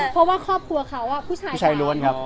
เพราะว่าครอบครัวเขาผู้ชายกัน